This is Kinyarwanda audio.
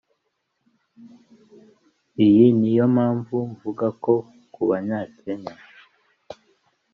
Iyi niyo mpamvu mvuga ko ku banyakenya